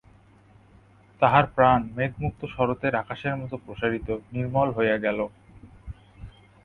তাহার প্রাণ মেঘযুক্ত শরতের আকাশের মত প্রসারিত, নির্মল হইয়া গেল।